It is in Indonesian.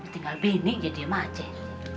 tinggal bini jadi ama aceh